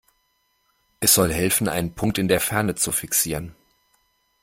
Es soll helfen, einen Punkt in der Ferne zu fixieren.